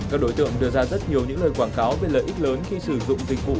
các đối tượng đưa ra rất nhiều những lời quảng cáo về lợi ích lớn khi sử dụng dịch vụ